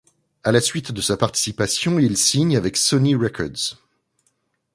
À la suite de sa participation, il signe avec Sony Records.